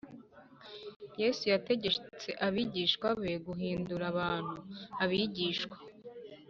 Yesu yategetse abigishwa be guhindura abantu abigishwa